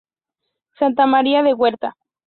Santa María de Huerta.